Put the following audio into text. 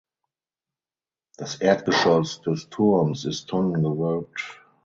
Das Erdgeschoss des Turms ist tonnengewölbt.